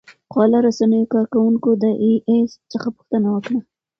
خواله رسنیو کاروونکو د اې ای څخه پوښتنه وکړه.